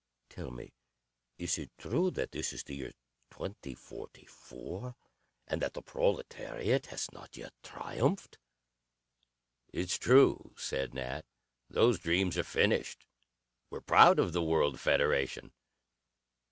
Tell me, is it true that this is the year 2044 and that the proletariat has not yet triumphed?" "It's true," said Nat. "Those dreams are finished, We're proud of the World Federation.